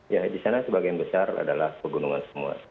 ya di sana sebagian besar adalah pegunungan semua